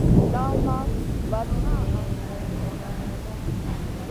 Lawna vat ma nʼgaana nang wihè.